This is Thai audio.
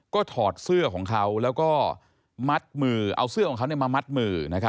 ก็ถอดเสื้อของเขาเอาเสื้อของเขามามัดมือ